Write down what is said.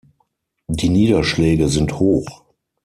Die Niederschläge sind hoch.